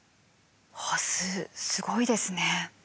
ハスすごいですね。